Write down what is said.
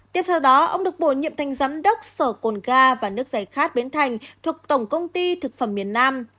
tiếp sau đó ông được bổ nhiệm thành giám đốc sở cồn ga và nước giải khát bến thành thuộc tổng công ty thực phẩm miền nam